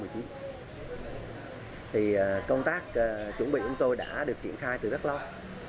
thì công tác chuẩn bị của tôi đã được triển khai từ rất lâu